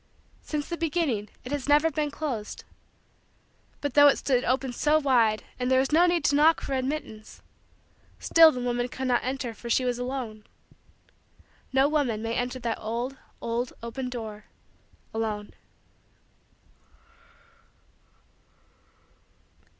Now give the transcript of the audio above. Since the beginning it has never been closed. But though it stood open so wide and there was no need to knock for admittance, still the woman could not enter for she was alone. No woman may enter that old, old, open door, alone.